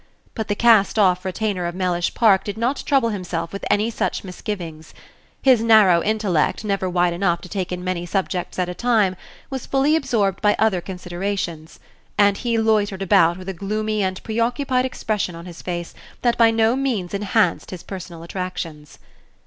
But the cast off retainer of Mellish Park did not trouble himself with any such misgivings. His narrow intellect, never wide enough to take in many subjects at a time, was fully absorbed by other considerations; and he loitered about with a gloomy and preoccupied expression on his face that by no means enhanced his personal attractions.